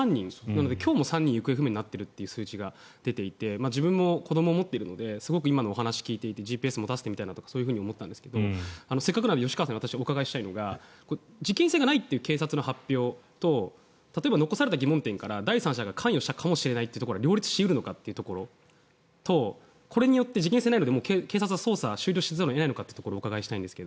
なので今日も３人行方不明になっている数値が出ていて自分も子どもを持っているのですごく今のお話を聞いていてＧＰＳを持たせてみたいと思ったんですがせっかくなので吉川さんに私、お伺いしたいのは事件性がないという警察の発表と例えば残された疑問点から第三者が関与したかもしれないというところは両立し得るのかというところこれによって事件性がないので警察は捜査を終了せざるを得ないのかというところをお聞きしたいんですが。